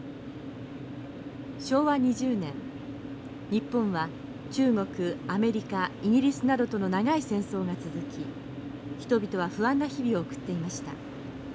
日本は中国アメリカイギリスなどとの長い戦争が続き人々は不安な日々を送っていました。